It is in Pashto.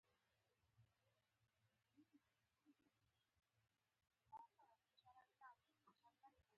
دا په ډیرو سیمو کې د تګ راتګ اصلي وسیله ده